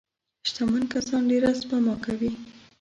شتمن کسان ډېره سپما کوي.